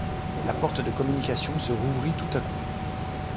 La porte de communication se rouvrit tout à coup.